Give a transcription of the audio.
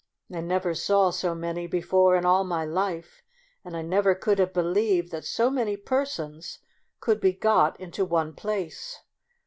I never saw so many before in all my life, and I never could have believed that so many persons could be got into one place.